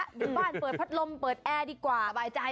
อยู่บ้านเปิดพัดลมเปิดแอร์ดีกว่าบายใจ